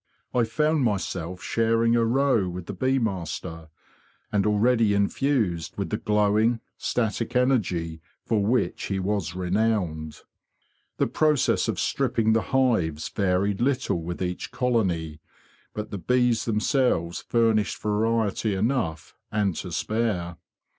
I found myself sharing a row with the bee master, and already infused with the glowing, static energy for which he was re nowned. The process of stripping the hives varied little with each colony, but the bees themselves furnished variety enough and to spare.